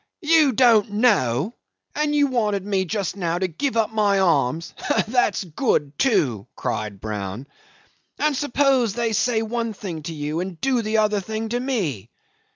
... "You don't know! And you wanted me just now to give up my arms! That's good, too," cried Brown; "Suppose they say one thing to you, and do the other thing to me."